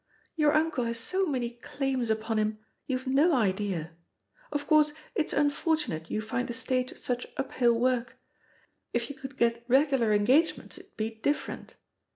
"Your uncle has so many claims upon him, you've no ideal ... Of course it's unfortunate you find the stage such uphiU work. If you could get regular engagements it'd be different.